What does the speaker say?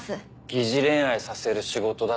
疑似恋愛させる仕事だっていう。